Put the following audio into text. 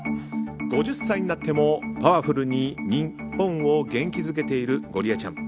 ５０歳になってもパワフルに日本を元気づけているゴリエちゃん。